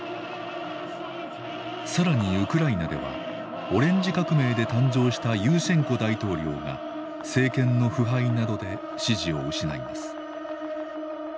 更にウクライナではオレンジ革命で誕生したユーシェンコ大統領が政権の腐敗などで支持を失います。